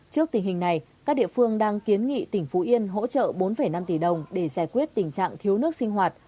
trước tình hình này các địa phương đang kiến nghị tỉnh phú yên hỗ trợ bốn năm tỷ đồng để giải quyết tình trạng thiếu nước sinh hoạt